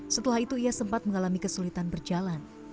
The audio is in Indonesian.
setelah itu ia sempat mengalami kesulitan berjalan